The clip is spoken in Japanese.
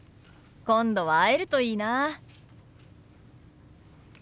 今度は会えるといいな。